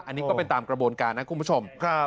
อันนี้ก็เป็นตามกระบวนการนะคุณผู้ชม